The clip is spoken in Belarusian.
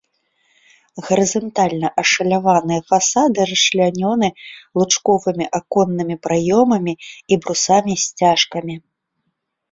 Гарызантальна ашаляваныя фасады расчлянёны лучковымі аконнымі праёмамі і брусамі-сцяжкамі.